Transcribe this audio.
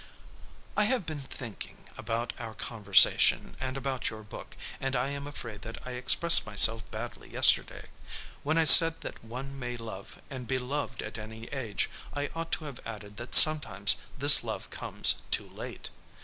"I have been thinking about our conversation and about your book, and I am afraid that I expressed myself badly yesterday. When I said that one may love and be loved at any age I ought to have added that sometimes this love comes too late.